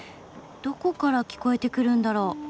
どこから聞こえてくるんだろう？